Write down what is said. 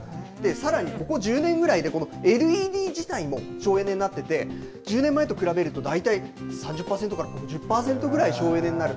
さらにここ１０年ぐらいで、このＬＥＤ自体も、省エネになってて、１０年前と比べると大体３０％から５０％ぐらい省エネになる。